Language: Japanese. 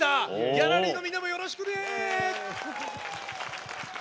ギャラリーのみんなもよろしくね。